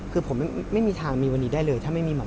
คือผมไม่มีทางมีวันนี้ได้เลย